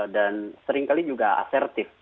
dan sering kali juga asertif